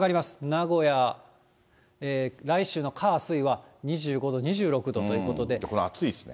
名古屋、来週の火、水は２５度、暑いですね。